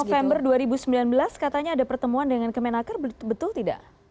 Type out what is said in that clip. november dua ribu sembilan belas katanya ada pertemuan dengan kemenaker betul tidak